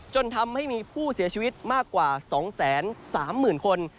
จนทำให้มีผู้เสียชีวิตมากกว่า๒๓๐๐๐คน